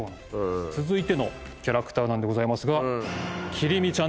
続いてのキャラクターなんでございますが。